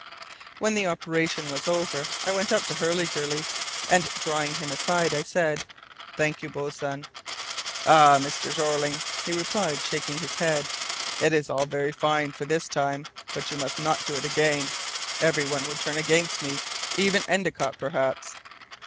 When the operation was over, I went up to Hurliguerly, and drawing him aside, I said, "Thank you, boatswain." "Ah, Mr. Jeorling," he replied, shaking his head, "it is all very fine for this time, but you must not do it again! Everyone would turn against me, even Endicott, perhaps."